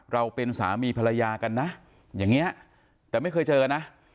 เราเป็นสามีภรรยากันนะอย่างนี้แต่ไม่เคยเจอนะ